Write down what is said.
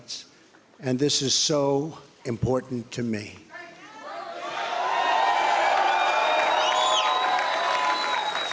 dan ini sangat penting untuk saya